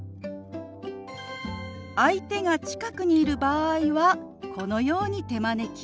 相手が近くにいる場合はこのように手招き。